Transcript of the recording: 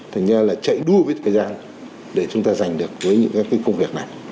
thành ra là chạy đua với thời gian để chúng ta giành được với những cái công việc này